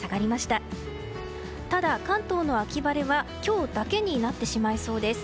ただ、関東の秋晴れは今日だけになってしまいそうです。